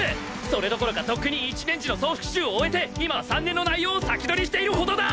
それどころかとっくに１年時の総復習を終えて今は３年の内容を先取りしているほどだ！